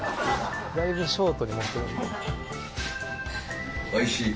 「だいぶショートに持ってる」